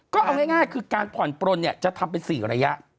ก็เอาง่ายคือการผ่อนปลนเนี่ยจะทำเป็น๔ระยะ